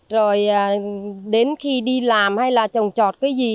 rồi đến khi đi làm hay là trồng trọt cái gì